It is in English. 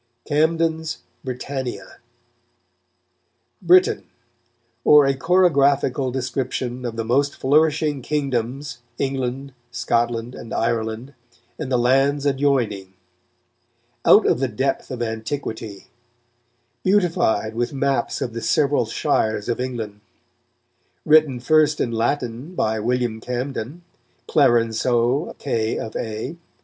CAMDEN'S "BRITANNIA" BRITAIN: _or a chorographical description of the most flourishing Kingdomes, England, Scotland and Ireland, and the Ilands adioyning; out of the depth of Antiquitie: beautified with Mappes of the severall Shires of England; Written first in Latine by William Camden, Clarenceux K. of A.